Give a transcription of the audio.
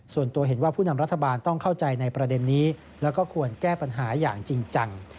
ส่วนตัวเห็นว่าผู้นำรัฐบาลต้องเข้าใจในประเด็นนี้แล้วก็ควรแก้ปัญหาอย่างจริงจัง